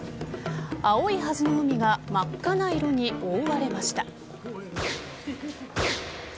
青いはずの海が真っ赤な色に覆われました。